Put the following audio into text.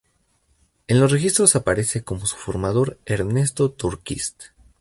En los registros aparece como su formador Ernesto Tornquist.